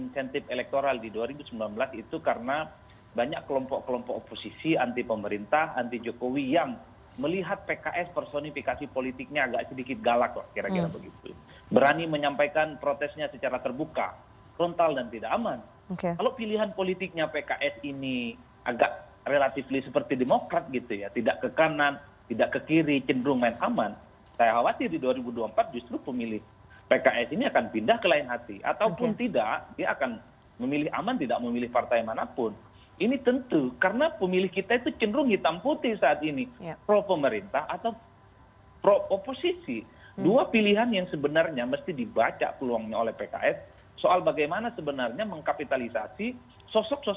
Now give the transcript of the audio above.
sebelum sebelumnya tidak pernah dilakukan minta maaf